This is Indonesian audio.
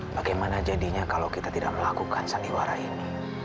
bagaimana jadinya kalau kita tidak melakukan sandiwara ini